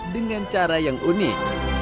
dengan cara yang unik